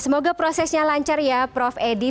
semoga prosesnya lancar ya prof edi